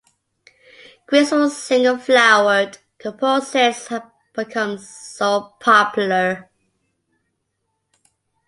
Graceful single-flowered composites have become so popular.